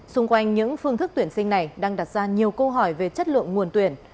xung quanh những phương thức tuyển sinh này đang đặt ra nhiều câu hỏi về chất lượng nguồn tuyển